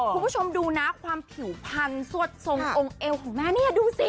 คุณผู้ชมดูนะความผิวพันธุ์สวดทรงองค์เอวของแม่เนี่ยดูสิ